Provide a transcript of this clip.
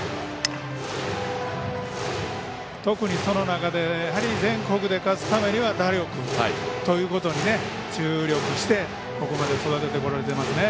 特に、その中で全国に勝つためには打力ということに注力してここまで育ててこられてますね。